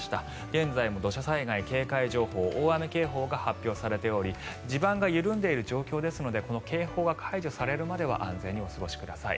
現在も土砂災害警戒情報大雨警報が発表されており地盤が緩んでいる状況ですのでこの警報が解除されるまでは安全にお過ごしください。